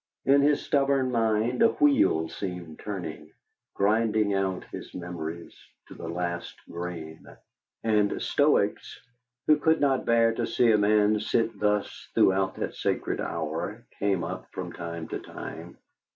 In his stubborn mind a wheel seemed turning, grinding out his memories to the last grain. And Stoics, who could not bear to see a man sit thus throughout that sacred hour, came up from time to time.